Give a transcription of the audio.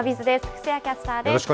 布施谷キャスターです。